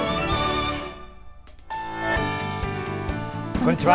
こんにちは。